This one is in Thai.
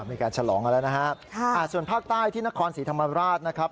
มีการฉลองกันแล้วนะฮะค่ะอ่าส่วนภาคใต้ที่นครศรีธรรมราชนะครับ